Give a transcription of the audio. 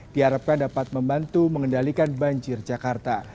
diharapkan dapat membantu mengendalikan banjir jakarta